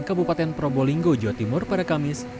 kabupaten probolinggo jawa timur pada kamis